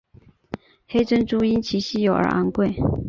黑珍珠因其稀有而昂贵。